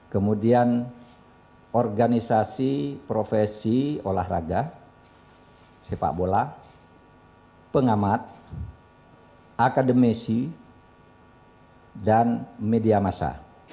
kemudian organisasi profesi olahraga sepak bola pengamat akademisi dan media masa